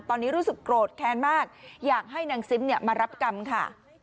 ตอนนี้รู้สึกโกรธแค้นมากอยากให้นางซิมมารับกรรมค่ะ